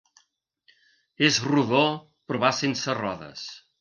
És rodó però va sense rodes.